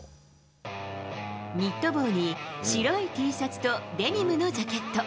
ニット帽に白いＴシャツとデニムのジャケット。